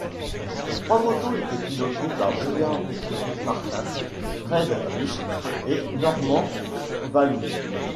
Les trois motos étaient pilotées par Brian Martin, Fred Rist et Norman Vanhouse.